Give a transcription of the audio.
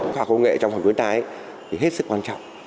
phạm công nghệ trong phòng chống thiên tai thì hết sức quan trọng